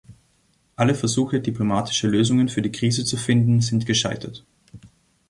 Alle Versuche, diplomatische Lösungen für die Krise zu finden, sind gescheitert.